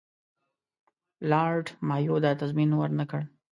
لارډ مایو دا تضمین ورنه کړ.